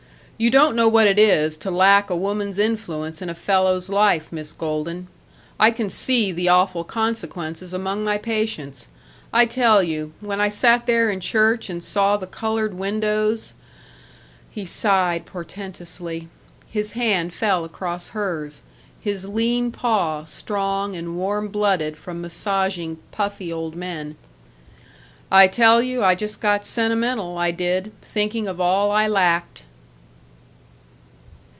You don't know what it is to lack a woman's influence in a fellow's life, Miss Golden. I can see the awful consequences among my patients. I tell you, when I sat there in church and saw the colored windows " He sighed portentously. His hand fell across hers his lean paw, strong and warm blooded from massaging puffy old men. "I tell you I just got sentimental, I did, thinking of all I lacked."